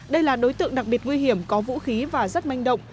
đặc biệt nguy hiểm có vũ khí và rất manh động